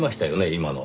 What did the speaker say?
今の。